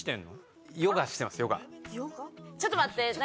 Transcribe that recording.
ちょっと待って何？